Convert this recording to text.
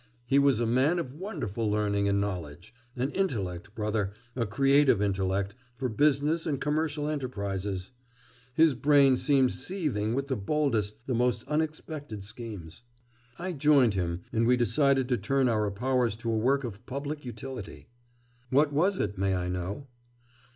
He was a man of wonderful learning and knowledge, an intellect, brother, a creative intellect, for business and commercial enterprises. His brain seemed seething with the boldest, the most unexpected schemes. I joined him and we decided to turn our powers to a work of public utility.' 'What was it, may I know?